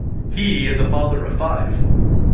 He is a father of five.